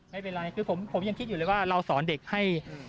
ไม่เป็นไรคือผมยังคิดอยู่เลยว่าเราสอนเด็กให้